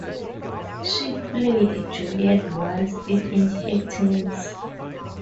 She played Juliet while still in her teens.